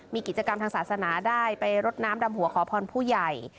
มีกิจกรรมทางศาสนาได้ไปรดน้ำดำหัวขอพรผู้ใหญ่